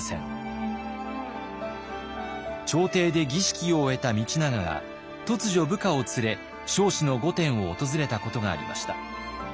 朝廷で儀式を終えた道長が突如部下を連れ彰子の御殿を訪れたことがありました。